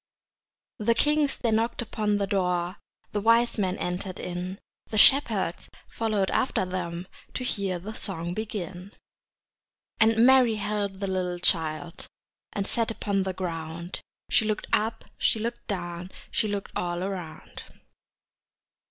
The kings they knocked upon the door, The wise men entered in, The shepherds followed after them To hear the song begin. And Mary held the little child And sat upon the ground; She looked up, she looked down, She looked all around.